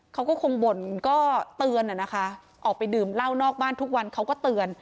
เขาก็คงบ่นก็เตือนนะคะออกไปดื่มเหล้านอกบ้านทุกวันเขาก็เตือน